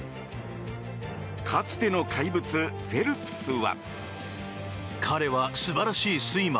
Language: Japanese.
かつての怪物、フェルプスは。